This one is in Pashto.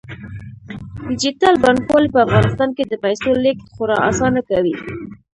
ډیجیټل بانکوالي په افغانستان کې د پیسو لیږد خورا اسانه کوي.